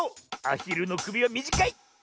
アヒルのくびはみじかい！